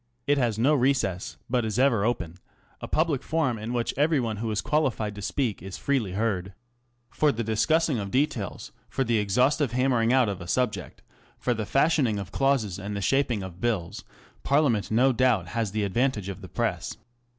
It has no recess, but is ever open, a public forum in which every one who is qualified to speak is freely heard. /* For the discussing of details, for the exhaustive hammering out of / a subject, for the fashioning of clauses * and the shaping of Bills, Parliament no doubt has the advantage of the Press.